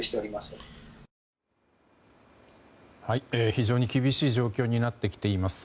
非常に厳しい状況になってきています。